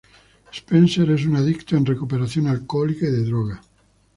Spencer es un adicto en recuperación alcohólica y de drogas.